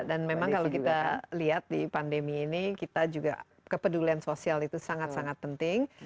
dan memang kalau kita lihat di pandemi ini kita juga kepedulian sosial itu sangat sangat penting